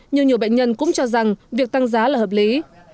nhưng nhiều bệnh nhân cũng cho rằng việc tăng giá là hợp lý